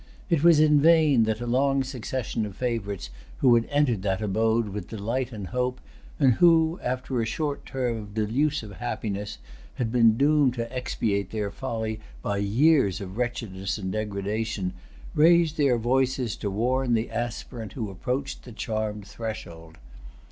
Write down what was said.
It was in vain that a long succession of favorites who had entered that abode with delight and hope, and who, after a short term of delusive happiness, had been doomed to expiate their folly by years of wretchedness and degradation, raised their voices to warn the aspirant who approached the charmed threshold.